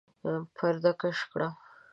پرده کش کړه!